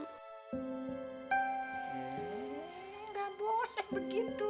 nggak boleh begitu